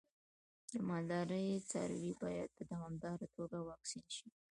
د مالدارۍ څاروی باید په دوامداره توګه واکسین شي.